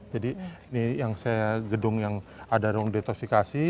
jadi ini gedung yang ada ruang detoksifikasi